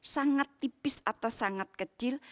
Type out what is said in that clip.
sangat tipis atau sangat kecil